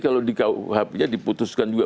kalau di kuhp nya diputuskan juga